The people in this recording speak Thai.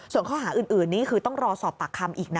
ส่วนข้อหาอื่นนี้คือต้องรอสอบปากคำอีกนะ